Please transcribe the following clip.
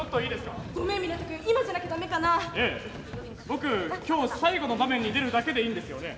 僕今日最後の場面に出るだけでいいんですよね？